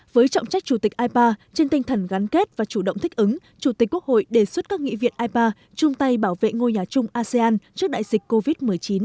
với trọng trách chủ tịch ipa trên tinh thần gắn kết và chủ động thích ứng chủ tịch quốc hội đề xuất các nghị viện ipa chung tay bảo vệ ngôi nhà chung asean trước đại dịch covid một mươi chín